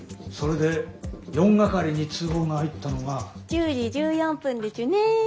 １０時１４分でちゅね。